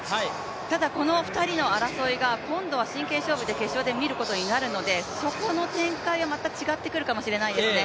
ただ、この２人の争いが、今度は真剣勝負で決勝で見ることになるのでそこの展開はまた違ってくるかもしれないですね。